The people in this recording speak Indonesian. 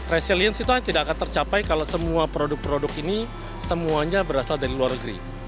resilience itu tidak akan tercapai kalau semua produk produk ini semuanya berasal dari luar negeri